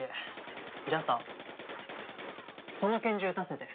じゃあさその拳銃撃たせて。